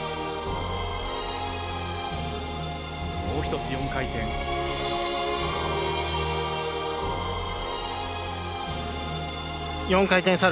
もう１つ４回転。